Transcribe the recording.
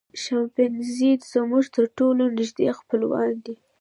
شامپانزي زموږ تر ټولو نږدې خپلوان دي.